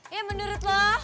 ya menurut lo